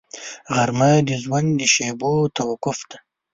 غرمه د ژوند د شېبو توقف دی